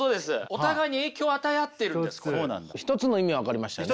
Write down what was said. お互いに影響を与え合っているんです。